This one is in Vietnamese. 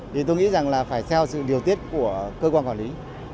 thì tôi nghĩ rằng là phải theo sự điều tiết của cơ quan quản lý